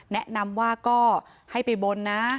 แนะนำว่าก็ให้ไปบนนะ